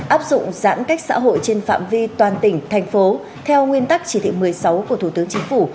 áp dụng giãn cách xã hội trên phạm vi toàn tỉnh thành phố theo nguyên tắc chỉ thị một mươi sáu của thủ tướng chính phủ